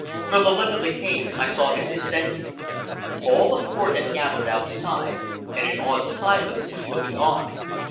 From the lip of the cave I saw him descending. All the horde had gathered outside and in awed silence was looking on.